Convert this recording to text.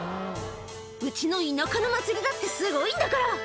「うちの田舎の祭りだってすごいんだから！」